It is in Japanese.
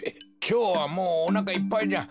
きょうはもうおなかいっぱいじゃ。